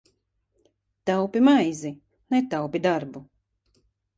Taupi maizi, netaupi darbu!